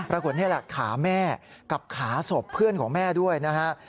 ปรากฏนี่แหละขาแม่กับขาศพเพื่อนของแม่ด้วยนะฮะ